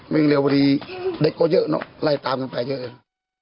วิ่งเรียวดีเด็กก็เยอะเนอะไล่ตามไปเยอะเอง